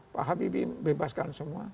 pak habibie bebaskan semua